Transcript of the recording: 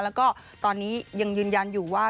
แล้วก็ตอนนี้ยังยืนยันอยู่ว่า